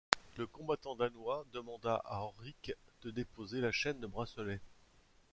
Le combattant danois demanda à Rorik de déposer la chaîne de bracelets.